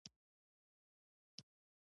اوبه د ژوند ستره اړتیا ده.